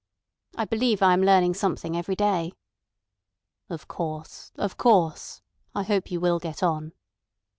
"I believe I am learning something every day." "Of course, of course. I hope you will get on."